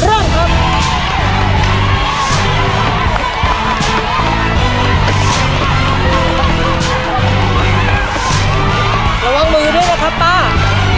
เริ่มครับ